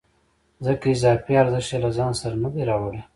ځکه اضافي ارزښت یې له ځان سره نه دی راوړی